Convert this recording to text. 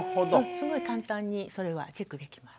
すごい簡単にそれはチェックできます。